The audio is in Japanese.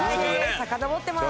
さかのぼってます。